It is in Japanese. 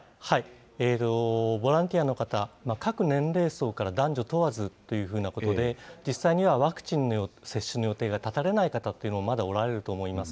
ボランティアの方、各年齢層から男女問わずというふうなことで、実際にはワクチンの接種の予定が立たれない方というのもまだ、おられると思います。